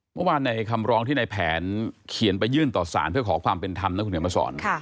เมื่อวานในคำร้องที่ในแผนเขียนไปยื่นต่อสารเพื่อขอความเป็นธรรมนะคุณเขียนมาสอน